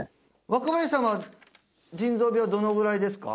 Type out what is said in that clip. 若林さんは腎臓病どのぐらいですか？